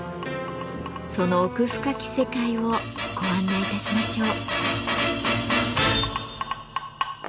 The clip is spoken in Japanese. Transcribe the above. その奥深き世界をご案内いたしましょう。